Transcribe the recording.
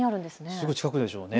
すぐ近くですね。